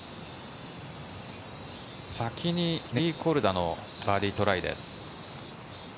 先にネリー・コルダのバーディートライ。